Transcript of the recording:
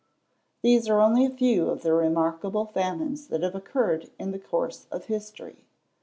These are only a few of the remarkable famines that have occurred in the course of history.